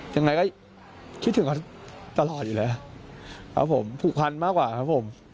ยังไงก็คิดถึงเขาตลอดอยู่แล้วครับผมผูกพันมากกว่าครับผม